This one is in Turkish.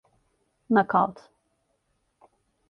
Nakavt!